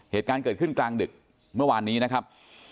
เหตุการณ์เกิดขึ้นกลางดึกเมื่อวานนี้นะครับ